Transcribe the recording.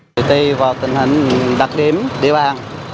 từ từ vào tình hình đặc điểm địa bàn